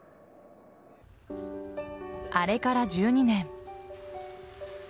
あれから１２年。